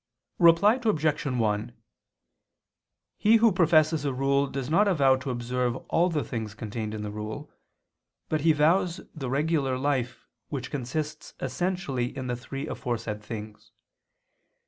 Reply Obj. 1: He who professes a rule does not vow to observe all the things contained in the rule, but he vows the regular life which consists essentially in the three aforesaid things.